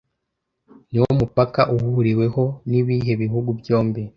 niwo mupaka uhuriweho nibihe bihugu byombi